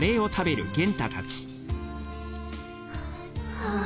はあ。